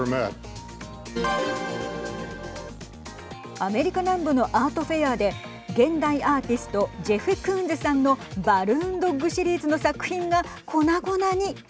アメリカ南部のアートフェアで現代アーティストジェフ・クーンズさんのバルーン・ドッグシリーズの作品が粉々に。